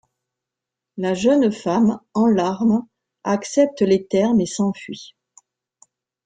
La jeune femme, en larmes, accepte les termes et s'enfuit.